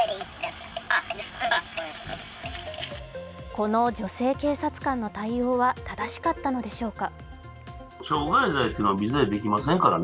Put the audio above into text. この女性警察官の対応は正しかったのでしょうか。